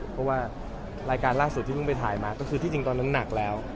เพราะว่ารายการล่าสุดที่เพิ่งไปถ่ายมาก็คือที่จริงตอนนั้นหนักแล้ว